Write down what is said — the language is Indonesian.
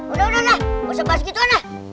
udah udah udah gak usah bahas gituan lah